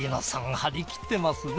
張り切ってますね。